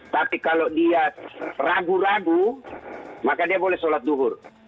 tapi kalau dia ragu ragu maka dia boleh sholat duhur